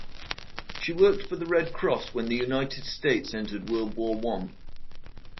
She worked for the Red Cross when the United States entered World War One.